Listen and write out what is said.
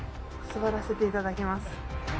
座らせていただきます。